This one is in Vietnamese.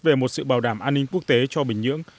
về một sự bảo đảm an ninh quốc tế cho bình nhưỡng